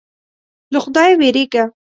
له خدایه وېرېږه.